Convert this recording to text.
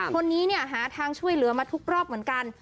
คนนี้เนี่ยหาทางช่วยเหลือมาทุกรอบเหมือนกัน